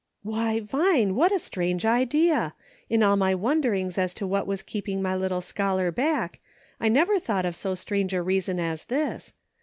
" Why, Vine, what a strange idea ! In all my wonderings as to what was keeping my little scholar back, I have never thought of so strange a reason as this.